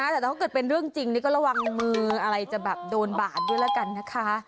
แต่ถ้าเกิดเป็นเรื่องจริงนี่ก็ระวังมืออะไรจะแบบโดนบาดด้วยแล้วกันนะคะ